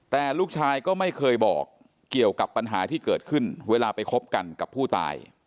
แต่ลูกชายก็ไม่เคยบอกเกี่ยวกับปัญหาที่เกิดขึ้นเวลาไปคบกันกับผู้ตาย